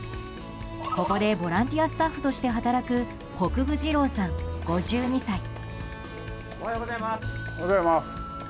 ここでボランティアスタッフとして働く国分二朗さん、５２歳。